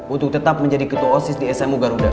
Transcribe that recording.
untuk tetap menjadi ketua osis di smu garuda